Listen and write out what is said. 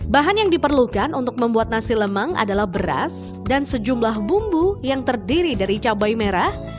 bahan yang diperlukan untuk membuat nasi lemang adalah beras dan sejumlah bumbu yang terdiri dari cabai merah